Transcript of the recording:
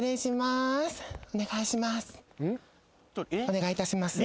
お願いいたします。